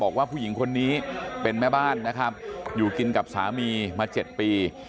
บอกว่าผู้หญิงคนนี้เป็นแม่บ้านนะครับอยู่กินกับสามีมา๗ปี